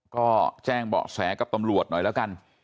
เอ้าเผื่อใครเจอนะฮะก็แจ้งบอกแสกับตำรวจหน่อยแล้วกัน